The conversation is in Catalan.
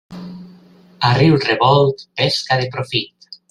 A riu revolt, pesca de profit.